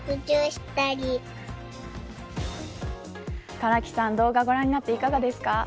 唐木さん、動画をご覧になっていかがですか。